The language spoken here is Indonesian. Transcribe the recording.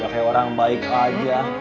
kayak orang baik aja